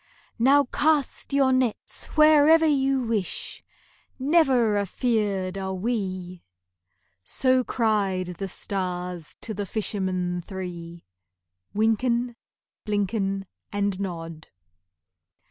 "Now cast your nets wherever you wish,— Never afeard are we!" So cried the stars to the fishermen three, Wynken, Blynken, And Nod.